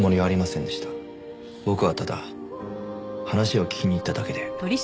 僕はただ話を聞きに行っただけで。